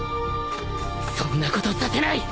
そんなことさせない！